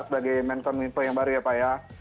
sebagai menkom info yang baru ya pak ya